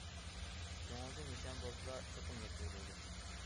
كۆڭۈلدە نىشان بولسىلا، چوقۇم يەتكىلى بولىدۇ.